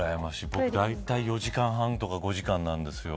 僕だいたい４時間半とか５時間なんですよ。